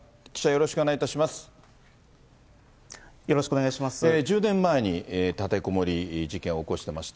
よろしくお願いします。